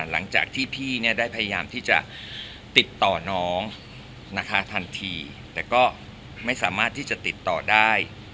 หลังจากที่พี่เนี่ยได้พยายามที่จะติดต่อน้องนะคะทันทีแต่ก็ไม่สามารถที่จะติดต่อได้